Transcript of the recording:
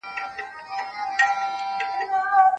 ټول دوستان د احترام په تناسب خپل مقام څنګه ساتي؟